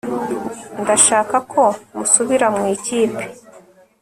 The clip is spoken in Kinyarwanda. Ndashaka ko musubira mu ikipe